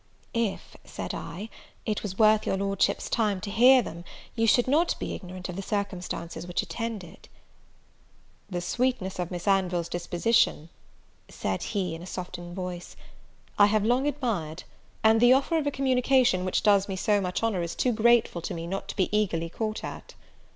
"If," said I, "it was worth your Lordship's time to hear them, you should not be ignorant of the circumstances which attend it." "The sweetness of Miss Anville's disposition," said he, in a softened voice, "I have long admired; and the offer of a communication, which does me so much honour, is too grateful to me not to be eagerly caught at."